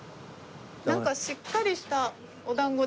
なんかしっかりしたお団子ですね。